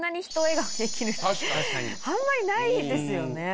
あんまりないですよね。